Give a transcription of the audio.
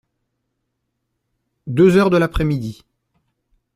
Deux heures de l’après-midi.